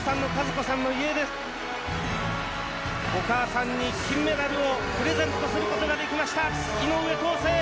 お母さんに金メダルをプレゼントする事ができました井上康生。